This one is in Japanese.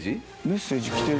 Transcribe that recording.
メッセージきて。